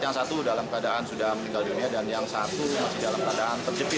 yang satu dalam keadaan sudah meninggal dunia dan yang satu masih dalam keadaan terjepit